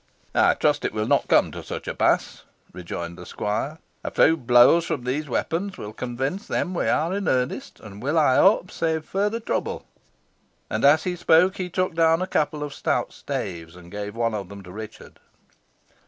"I trust it will not come to such a pass," rejoined the squire; "a few blows from these weapons will convince them we are in earnest, and will, I hope, save further trouble." And as he spoke he took down a couple of stout staves, and gave one of them to Richard.